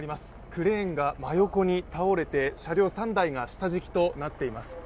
クレーンが真横に倒れて車両３台が下敷きとなっています。